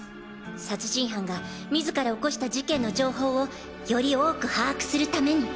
殺人犯が自ら起こした事件の情報をより多く把握するために。